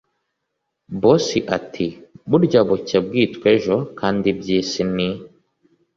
boss ati”burya bucya bwitwa ejo kandi ibyisi ni